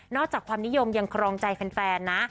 จากความนิยมยังครองใจแฟนนะ